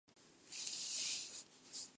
君を理解するのには苦労する